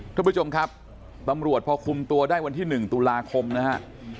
ท่านผู้ชมครับตำรวจพอคุมตัวได้วันที่๑ตุลาคมนะฮะ